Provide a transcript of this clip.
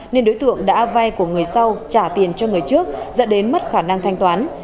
nên đối tượng đã vay của người sau trả tiền cho người trước dẫn đến mất khả năng thanh toán